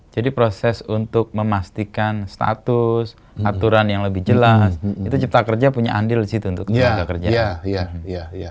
jadi proses untuk memastikan status aturan yang lebih jelas itu cipta kerja punya andil sih untuk tenaga kerjaan